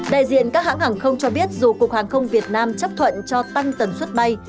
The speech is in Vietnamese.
đại diện các hãng hàng không cho biết dù cục hàng không việt nam chấp thuận cho tăng tần suất bay